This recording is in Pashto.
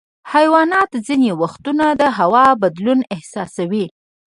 حیوانات ځینې وختونه د هوا بدلون احساسوي.